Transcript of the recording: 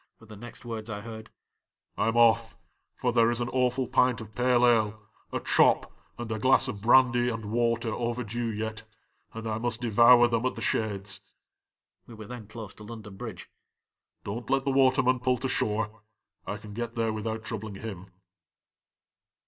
were the next words I heard ;" I !m off, for there is an awful pint of pale ale, a chop, and a glass of brandy and water overdue yet, and I must devour them at the Shades." (We were then close to London Bridge.) "Don't let the waterman pull to shore ; I can get there without troubling him."